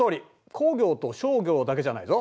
工業と商業だけじゃないぞ。